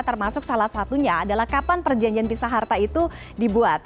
termasuk salah satunya adalah kapan perjanjian pisa harta itu dibuat